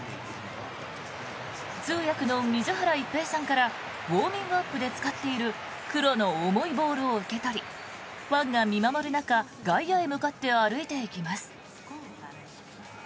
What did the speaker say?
通訳の水原一平さんからウォーミングアップで使っている黒の重いボールを受け取りファンが見守る中外野へ向かって歩いていきます。